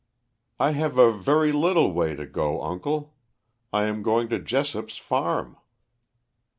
"I have a very little way to go, uncle. I am going to Jessop's farm."